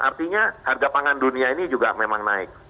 artinya harga pangan dunia ini juga memang naik